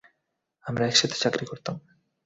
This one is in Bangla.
আমরা একসাথে চাকরি করতাম।